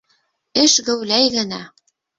Эш геүләй генә!